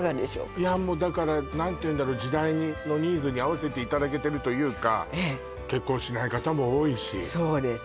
いやもうだから何て言うんだろう時代のニーズに合わせていただけてるというか結婚しない方も多いしそうです